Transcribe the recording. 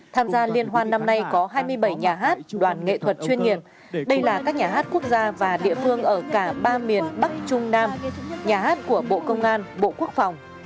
tham gia liên hoan năm nay có hai mươi bảy nhà hát đoàn nghệ thuật chuyên nghiệp đây là các nhà hát quốc gia và địa phương ở cả ba miền bắc trung nam nhà hát của bộ công an bộ quốc phòng